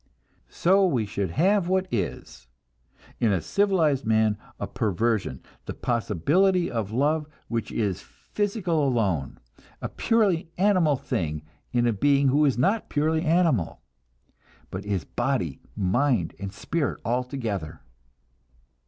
So we should have what is, in a civilized man, a perversion, the possibility of love which is physical alone; a purely animal thing in a being who is not purely animal, but is body, mind and spirit all together.